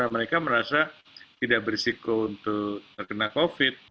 mereka merasa tidak berisiko untuk terkena covid